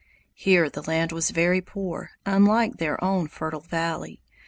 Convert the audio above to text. Here the land was very poor, unlike their own fertile valley.